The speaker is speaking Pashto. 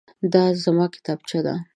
دا زما کتابچه ده.